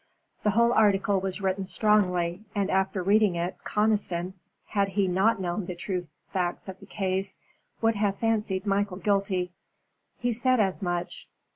The whole article was written strongly, and after reading it, Conniston, had he not known the true facts of the case, would have fancied Michael guilty. He said as much.